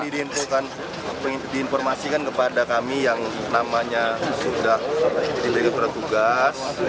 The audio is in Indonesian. diinformasikan kepada kami yang namanya sudah diberikan surat tugas